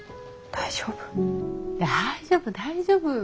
大丈夫大丈夫。